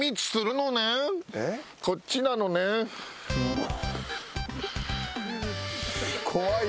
こっちなのねん。